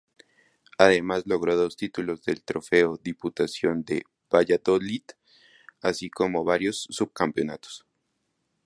Además logró dos títulos del Trofeo Diputación de Valladolid así como varios subcampeonatos.